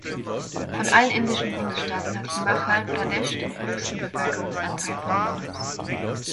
Von allen indischen Bundesstaaten hat Himachal Pradesh den höchsten Bevölkerungsanteil von Hindus.